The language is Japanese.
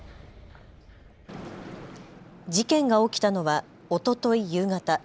事件が起きたのはおととい夕方。